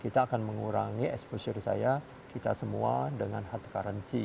kita akan mengurangi exposure saya kita semua dengan hard currency